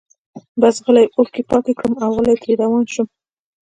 بس غلي اوښکي پاکي کړم اوغلی ترې روان شم